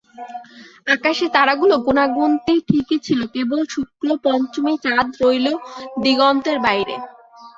আকাশে তারাগুলো গোনাগুনতি ঠিকই ছিল, কেবল শুক্লপঞ্চমী চাঁদ রইল দিগন্তের বাইরে।